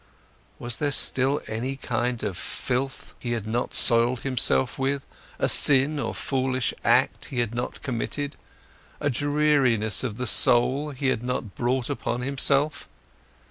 Was there still any kind of filth he had not soiled himself with, a sin or foolish act he had not committed, a dreariness of the soul he had not brought upon himself?